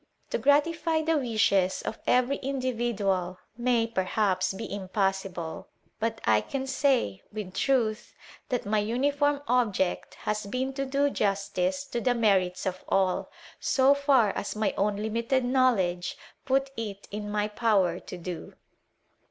To gratify t wishes of every individual may, perhaps, be imp PREFACE. YU sible; but I can say, with truth, that my uniform object has been to do justice to the merits of all, so far as my own limited knowledge put it in my power to do.